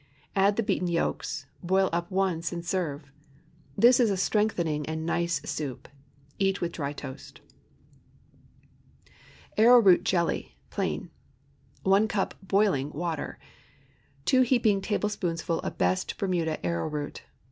Add the beaten yolks: boil up once and serve. This is a strengthening and nice soup. Eat with dry toast. ARROWROOT JELLY (Plain.) ✠ 1 cup boiling water. 2 heaping teaspoonfuls of best Bermuda arrowroot.